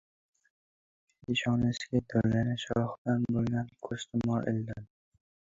Peshonasiga do‘lana shoxidan bo‘lgan ko‘ztumor ildim.